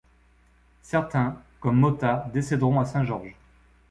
Certains, comme Motta, décéderont à Saint George.